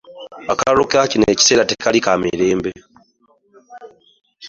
Akalulu kaakino ekisanja tekaali ka mirembe.